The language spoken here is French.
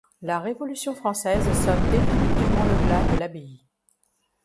La Révolution française sonne définitivement le glas de l'abbaye.